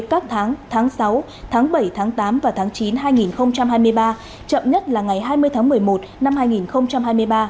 các tháng tháng sáu tháng bảy tháng tám và tháng chín hai nghìn hai mươi ba chậm nhất là ngày hai mươi tháng một mươi một năm hai nghìn hai mươi ba